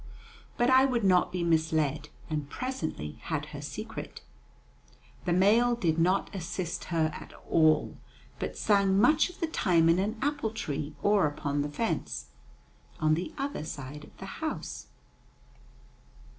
But I would not be misled, and presently had her secret. The male did not assist her at all, but sang much of the time in an apple tree or upon the fence, on the other side of the house.